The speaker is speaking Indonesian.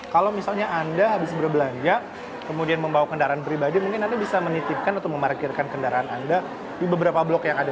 kalau misalnya anda habis berbelanja kemudian membawa kendaraan pribadi mungkin anda bisa menitipkan atau memarkirkan kendaraan anda di beberapa blok yang ada